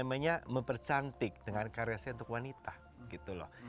mempercantik dengan karya saya untuk wanita gitu loh